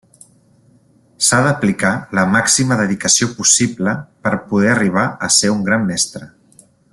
S'ha d'aplicar la màxima dedicació possible per poder arribar a ser un gran mestre.